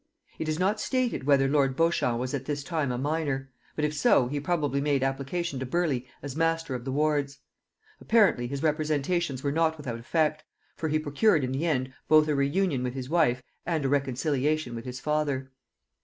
It is not stated whether lord Beauchamp was at this time a minor; but if so, he probably made application to Burleigh as master of the wards. Apparently his representations were not without effect; for he procured in the end both a re union with his wife and a reconciliation with his father.